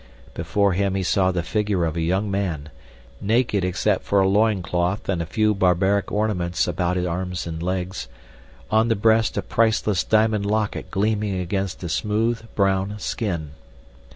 Before him he saw the figure of a young man, naked except for a loin cloth and a few barbaric ornaments about arms and legs; on the breast a priceless diamond locket gleaming against a smooth brown skin.